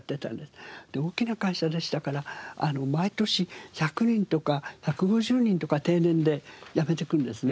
大きな会社でしたから毎年１００人とか１５０人とか定年で辞めていくんですね。